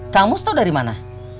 kamus tau dari mana